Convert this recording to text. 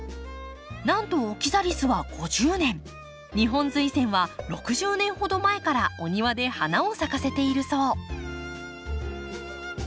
なんとオキザリスは５０年ニホンズイセンは６０年ほど前からお庭で花を咲かせているそう。